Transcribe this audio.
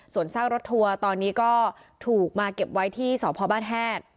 ส่วนสร้างรถทัวร์ตอนนี้ก็ถูกมาเก็บไว้ที่สพฮ